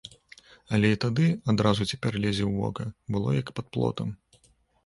Але і тады, адразу цяпер лезе ў вока, было як пад плотам.